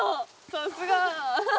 さすが。